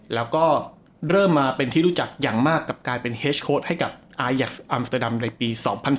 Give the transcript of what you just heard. แล้วก็เริ่มมาเป็นที่รู้จักอย่างมากกับการเป็นเฮสโค้ดให้กับอายักษ์อัมสเตอร์ดัมในปี๒๐๑๘